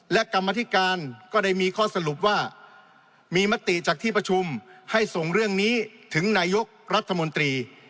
และกรรมธิการก็ได้มีข้อสรุปว่ามีมติจากที่ประชุมให้ส่งเรื่องนี้ถึงนายกรัฐมนตรี